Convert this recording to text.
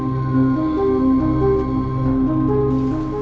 halo si jamal kebojot jadian mau ngelawan kampung segera